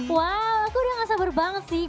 wow aku udah gak sabar banget sih